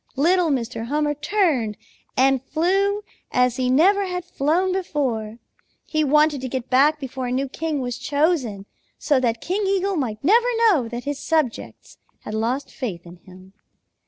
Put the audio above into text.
Little Mr. Hummer turned and flew as he never had flown before. He wanted to get back before a new king was chosen, so that King Eagle might never know that his subjects had lost faith in him.